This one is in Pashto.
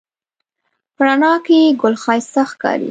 په رڼا کې ګل ښایسته ښکاري